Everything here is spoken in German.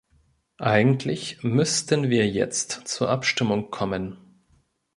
Eigentlich müssten wir jetzt zur Abstimmung kommen.